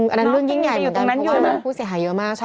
อันนั้นเรื่องยิ่งใหญ่เหมือนกับคุณผู้เสียหายเยอะมาก